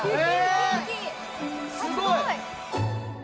すごい。